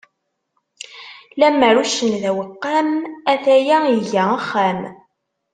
Lemmer uccen d aweqqam, a-t-aya iga axxam.